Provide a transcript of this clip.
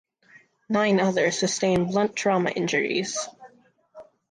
Nine others sustained blunt trauma injuries.